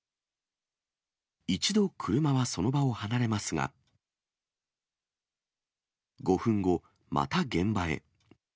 一度、車はその場を離れますが、５分後、また現場へ。